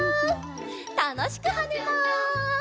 たのしくはねます！